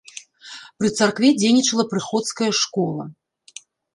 Пры царкве дзейнічала прыходская школа.